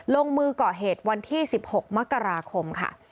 ลงมือก่อเหตุวันที่๑๖มกราคมค่ะ